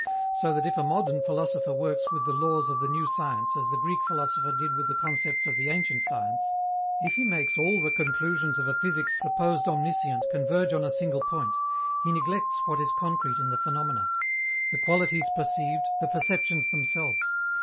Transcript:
So that if a modern philosopher works with the laws of the new science as the Greek philosopher did with the concepts of the ancient science, if he makes all the conclusions of a physics supposed omniscient converge on a single point, he neglects what is concrete in the phenomena the qualities perceived, the perceptions themselves.